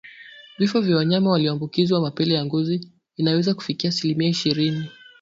Vifo vya wanyama walioambukizwa mapele ya ngozi inaweza kufikia asilimia ishirini